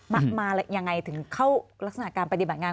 มายังไงถึงเข้ารักษณะการปฏิบัติงาน